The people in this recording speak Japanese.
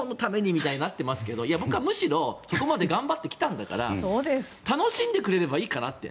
みたいになっていますけどいや、僕はむしろここまで頑張ってきたんだから楽しんでくれればいいかなと。